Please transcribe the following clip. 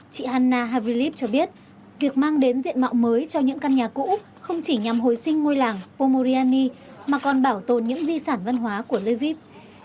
chị hanna havilip cho biết việc mang đến diện mạo mới cho những căn nhà cũ không chỉ nhằm hồi sinh ngôi làng pomoriani mà còn bảo tồn những di sản văn hóa của lviv